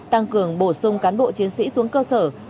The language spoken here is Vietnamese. tăng cường bổ sung cán bộ chiến sĩ xuống cơ sở